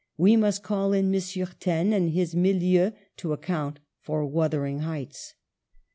We must call in Monsieur Taine and his Milieu to account for ' Wuthering Heights.'